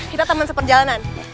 kita teman seperjalanan